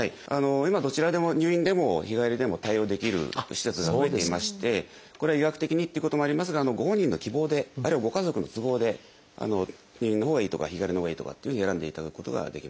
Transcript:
今どちらでも入院でも日帰りでも対応できる施設が増えていましてこれは医学的にっていうこともありますがご本人の希望であるいはご家族の都合で入院のほうがいいとか日帰りのほうがいいとかっていうふうに選んでいただくことができます。